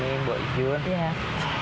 baik mbak juni mbak ijun